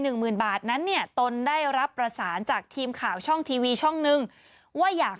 หมื่นบาทนั้นเนี่ยตนได้รับประสานจากทีมข่าวช่องทีวีช่องหนึ่งว่าอยาก